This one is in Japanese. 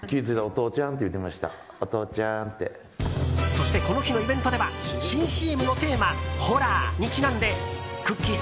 そして、この日のイベントでは新ＣＭのテーマホラーにちなんでくっきー！